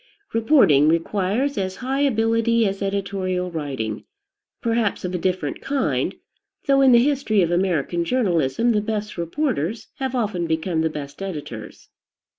Reporting requires as high ability as editorial writing; perhaps of a different kind, though in the history of American journalism the best reporters have often become the best editors.